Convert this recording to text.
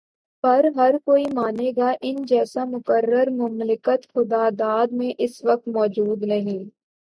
پر ہرکوئی مانے گا کہ ان جیسا مقرر مملکت خداداد میں اس وقت موجود نہیں۔